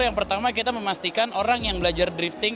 yang pertama kita memastikan orang yang belajar drifting